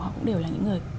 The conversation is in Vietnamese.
họ cũng đều là những người